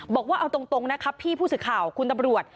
บอกว่าเอาตรงนะครับพี่ผู้สื่อข่าวคุณตำรวจ